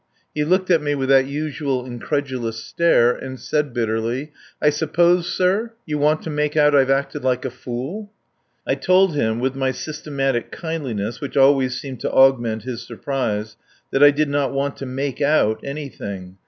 He looked at me with that usual incredulous stare, and said bitterly: "I suppose, sir, you want to make out I've acted like a fool?" I told him, with my systematic kindliness which always seemed to augment his surprise, that I did not want to make out anything.